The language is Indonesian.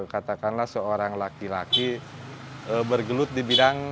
katakanlah seorang laki laki bergelut di bidang